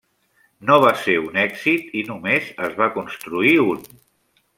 No va ser un èxit i només es va construir un.